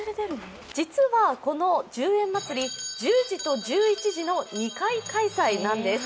実はこの１０円祭り、１０時と１１時の２回開催なんです。